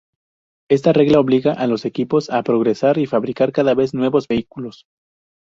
Esta regla obliga a los equipos a progresar y fabricar cada vez nuevos vehículos.